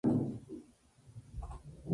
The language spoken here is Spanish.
Arsenal perdería la categoría.